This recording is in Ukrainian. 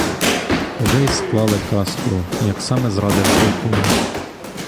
Уже й склали казку, як саме зрадив полковник.